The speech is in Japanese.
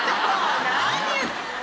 何！？